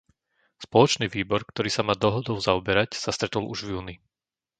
Spoločný výbor, ktorý sa má dohodou zaoberať, sa stretol už v júni.